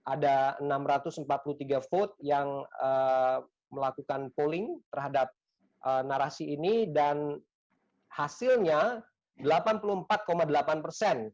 ada enam ratus empat puluh tiga vote yang melakukan polling terhadap narasi ini dan hasilnya delapan puluh empat delapan persen